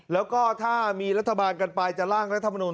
แล้วก็ถ้ามีรัฐบาลกันไปจะล่างรัฐมนุน